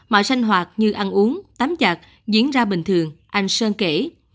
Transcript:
mọi sinh hoạt như ăn uống tắm giạc diễn ra bình thường anh sơn kể